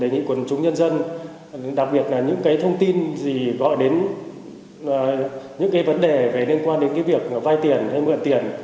đề nghị quần chúng nhân dân đặc biệt là những cái thông tin gì gọi đến những cái vấn đề về liên quan đến cái việc vay tiền hay mượn tiền